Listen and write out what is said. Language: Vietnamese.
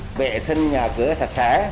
thì bệ sinh nhà cửa sạch sẽ